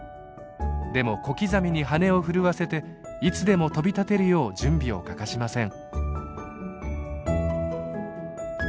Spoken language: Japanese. でも小刻みに羽を震わせていつでも飛び立てるよう準備を欠かしません。